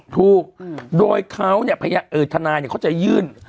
ถูกโดยเขาเนี่ยเอิร์ตทนายเขาจะยื่น